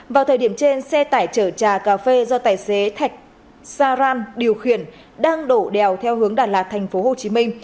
vào thời điểm trên xe tải chở trà cà phê do tài xế thạch saram điều khiển đang đổ đèo theo hướng đà lạt thành phố hồ chí minh